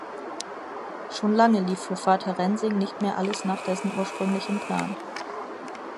Schon lange lief für Vater Rensing nicht mehr alles nach dessen ursprünglichem Plan.